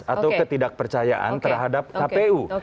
atau ketidakpercayaan terhadap kpu